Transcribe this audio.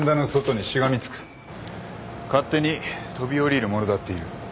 勝手に飛び降りる者だっている。